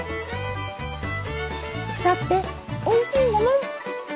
だっておいしいんだもん。